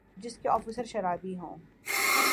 جس کے آفیسر شرابی ہوں